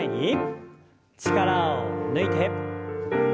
力を抜いて。